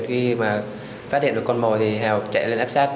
khi mà phát hiện được con mồi thì hào chạy lên áp sát